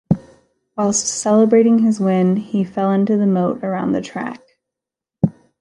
Whilst celebrating his win, he fell into the moat around the track.